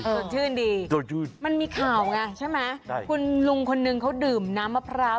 สดชื่นดีสดชื่นมันมีข่าวไงใช่ไหมคุณลุงคนนึงเขาดื่มน้ำมะพร้าว